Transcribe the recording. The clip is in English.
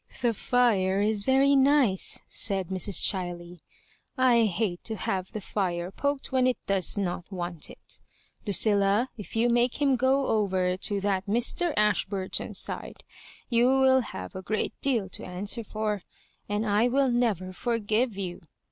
" The fire is very nice," said Mrs. Chiley. " I hate to have the fire poked when it does not want it LudUa, if you make him go over to that Mr. Ashburton's side, you will have a great deal to answer for, and I will never forgive you.